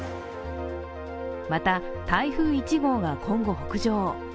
また、台風１号が今後北上。